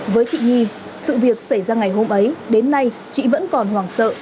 với chị nhi sự việc xảy ra ngày hôm ấy đến nay chị vẫn còn hoảng sợ